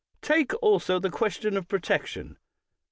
Take also the question of protection.